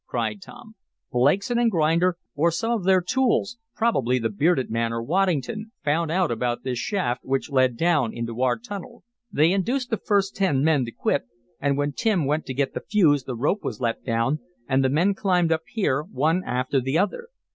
cried Tom. "Blakeson & Grinder, or some of their tools probably the bearded man or Waddington found out about this shaft which led down into our tunnel. They induced the first ten men to quit, and when Tim went to get the fuse the rope was let down, and the men climbed up here, one after the other.